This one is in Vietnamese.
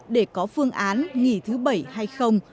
để có phương án nghỉ thứ bảy hay không